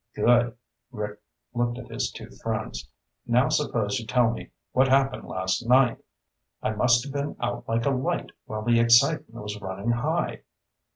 "Good." Rick looked at his two friends. "Now suppose you tell me what happened last night? I must have been out like a light while the excitement was running high."